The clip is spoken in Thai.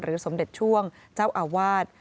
สมเด็จช่วงเจ้าอาวาส